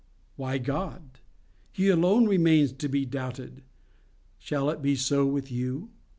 Why, God. He alone remains to be doubted. Shall it be so with you?